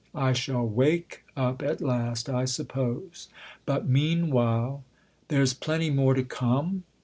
I shall wake up at last, I suppose, but meanwhile " There's plenty more to come